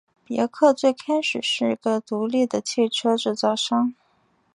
别克最开始是个独立的汽车制造商。